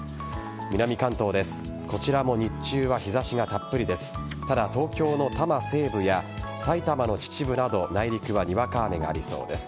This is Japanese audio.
南関東です。